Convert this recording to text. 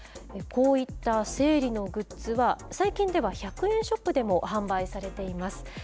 こういった整理のグッズは、最近では１００円ショップでも販売されています。